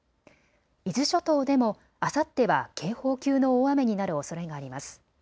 伊豆諸島でもあさっては警報級の大雨になるおそれがあります。